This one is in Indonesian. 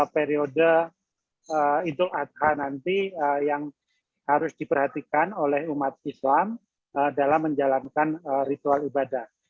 periode idul adha nanti yang harus diperhatikan oleh umat islam dalam menjalankan ritual ibadah